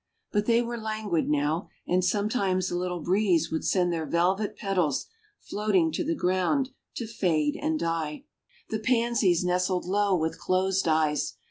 But they were languid now and sometimes a little breeze would send their velvet petals floating to the ground to fade and die. The Pansies nestled low with closed eyes.